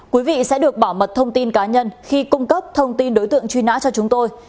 quý vị sẽ được bảo mật thông tin cá nhân khi cung cấp thông tin đối tượng truy nã cho chúng tôi